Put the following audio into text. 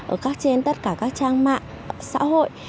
ở trên tất cả các trang mạng xã hội